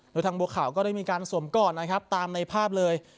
โดยทางบัวขาวก็ได้มีการสวมก่อนนะครับตามในภาพเลย